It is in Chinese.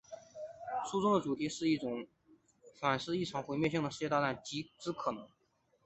书中的主题是反思一场毁灭性的世界大战之可能。